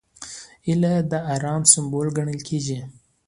هیلۍ د ارام سمبول ګڼل کېږي